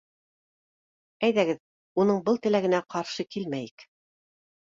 — Әйҙәгеҙ уның был теләгенә ҡаршы килмәйек.